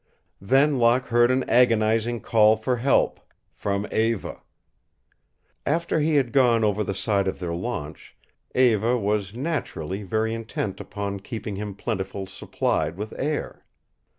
Then Locke heard an agonizing call for help from Eva. After he had gone over the side of their launch Eva was naturally very intent upon keeping him plentifully supplied with air.